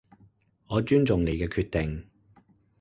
我尊重你嘅決定